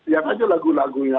yang lain lagu lagunya